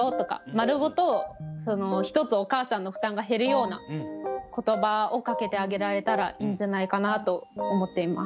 丸ごと一つお母さんの負担が減るような言葉をかけてあげられたらいいんじゃないかなと思っています。